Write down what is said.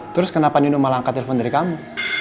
terus kenapa nino malah angkat telepon dari kamu